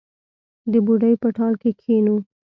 د بوډۍ په ټال کې کښېنو